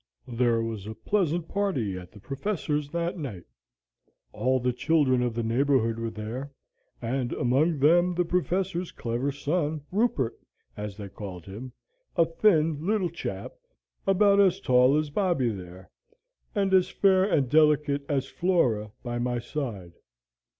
"There was a pleasant party at the Professor's that night. All the children of the neighborhood were there, and among them the Professor's clever son, Rupert, as they called him, a thin little chap, about as tall as Bobby there, and as fair and delicate as Flora by my side.